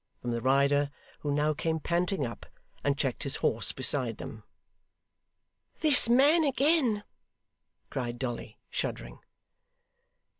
from the rider, who now came panting up, and checked his horse beside them. 'This man again!' cried Dolly, shuddering.